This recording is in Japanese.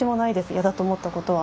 嫌だと思ったことは。